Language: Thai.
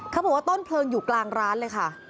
เขาบอกว่าต้นเพลิงอยู่กลางร้านเลยค่ะ